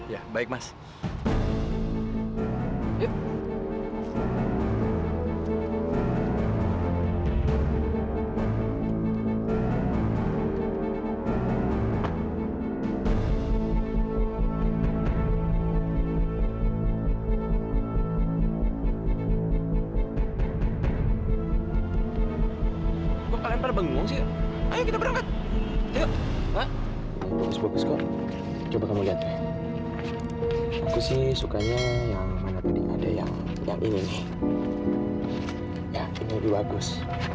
ya ini lebih bagus